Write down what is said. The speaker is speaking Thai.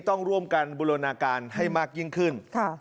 ต้องร่วมกันบูรณาการให้มากยิ่งขึ้น